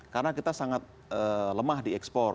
karena kita sangat lemah di ekspor